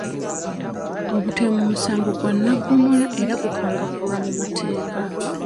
Obutemu musango gwa nnaggomola era gukangavvulwa mu mateeka.